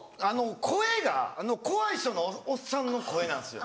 声が怖い人のおっさんの声なんですよ。